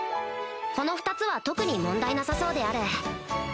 この２つは特に問題なさそうである